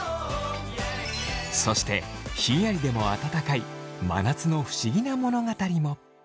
そしてひんやりでも温かい真夏の不思議な物語も。